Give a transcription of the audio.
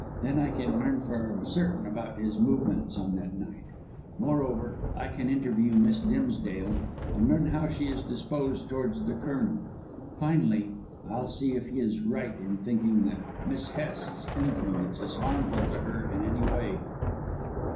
Then I can learn for certain about his movements on that night. Moreover, I can interview Miss Dimsdale and learn how she is disposed towards the Colonel. Finally, I'll see if he is right in thinking that Miss Hest's influence is harmful to her in any way."